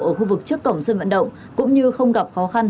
ở khu vực trước cổng sân vận động cũng như không gặp khó khăn